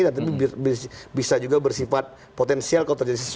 dan bisa juga bersifat potensial kalau terjadi sesuatu